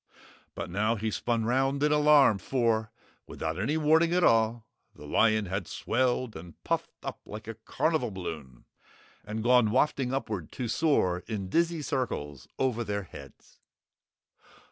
But now he spun round in alarm, for without any warning at all, the lion had swelled and puffed up like a carnival balloon and gone wafting upward to soar in dizzy circles over their heads.